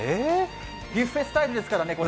ビュッフェスタイルですからね。